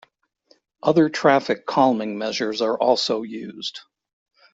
Other traffic calming measures are also used.